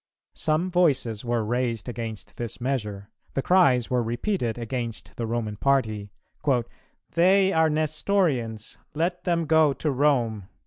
Some voices were raised against this measure; the cries were repeated against the Roman party, "They are Nestorians; let them go to Rome."